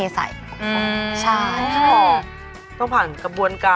ใช่ค่ะ